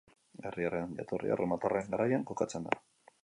Herriaren jatorria erromatarren garaian kokatzen da.